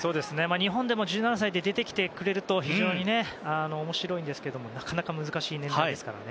日本でも１７歳で出てきてくれると非常にね、面白いんですけどもなかなか難しい年代ですからね。